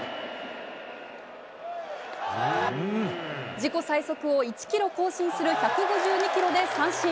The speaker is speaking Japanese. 自己最速を１キロ更新する１５２キロで三振。